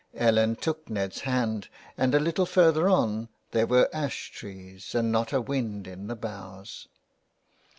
Ellen took Ned's hand 328 THE WILD GOOSE. and a little further on there were ash trees and not a wind in the boughs.